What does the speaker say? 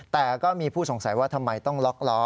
แต่ก็มีผู้สงสัยว่าทำไมต้องล็อกล้อ